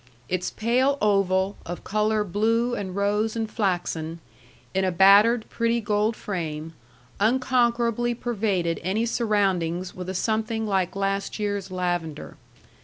Its pale oval, of color blue and rose and flaxen, in a battered, pretty gold frame, unconquerably pervaded any surroundings with a something like last year's lavender.